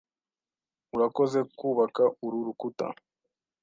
Urakoze kubaka uru rukuta.